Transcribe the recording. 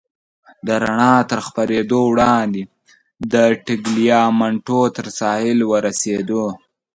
د رڼا تر خپرېدو وړاندې د ټګلیامنټو تر ساحل ورسېدو.